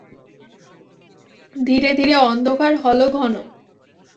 ধীরে ধীরে অন্ধকার হল ঘন।